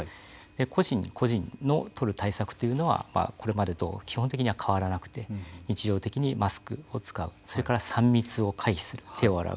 個人個人のとる対策というのはこれまでと基本的には変わらなくて日常的にマスクを使うそれから３密を回避する手を洗う